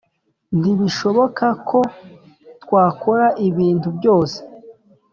Ntibishoboka ko twakora ibintu byose .